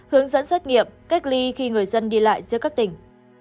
hướng dẫn xét nghiệm cách ly khi người dân đi lại giữa các tỉnh